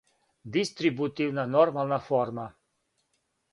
дистрибутивна нормална форма